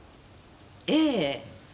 ええ！